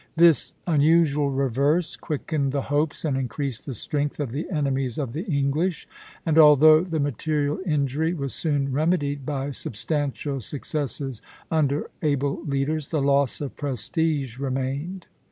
This unusual reverse quickened the hopes and increased the strength of the enemies of the English; and although the material injury was soon remedied by substantial successes under able leaders, the loss of prestige remained.